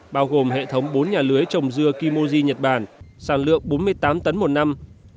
bao gồm hệ thống bốn nhà lưới trồng dưa kimoji nhật bản sản lượng bốn mươi tám tấn một năm